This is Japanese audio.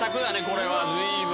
これは随分。